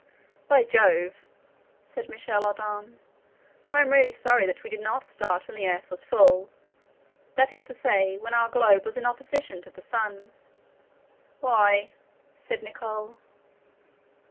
"By Jove!" said Michel Ardan, "I am really sorry that we did not start when the earth was full, that is to say, when our globe was in opposition to the sun." "Why?" said Nicholl.